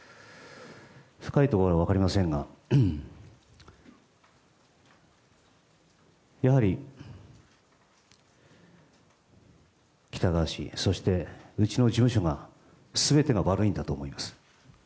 深いところは分かりませんが、やはり喜多川氏、そしてうちの事務所が、すべてが悪いんだと思います。